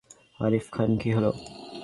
আরিফ খান কী হলো?